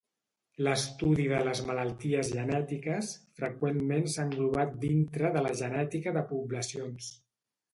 L'estudi de les malalties genètiques freqüentment s'ha englobat dintre de la genètica de poblacions.